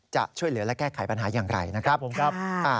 จะช่วยเหลือและแก้ไขปัญหาอย่างไรนะครับผมครับ